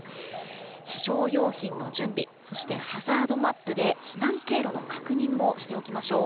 非常用品の準備、そしてハザードマップで避難経路の確認もしておきましょう。